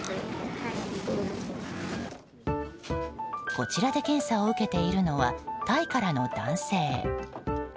こちらで検査を受けているのはタイからの男性。